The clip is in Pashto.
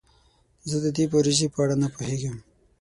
زه د دې پروژې په اړه نه پوهیږم.